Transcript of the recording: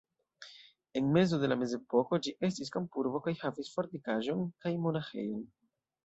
En mezo de la mezepoko ĝi estis kampurbo kaj havis fortikaĵon kaj monaĥejon.